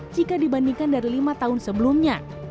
jika dibandingkan dari lima tahun sebelumnya